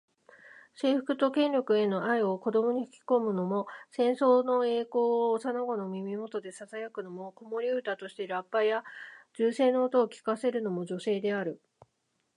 征服と権力への愛を子どもに吹き込むのも、戦争の栄光を幼子の耳元でささやくのも、子守唄としてラッパや銃声の音を聞かせるのも女性である。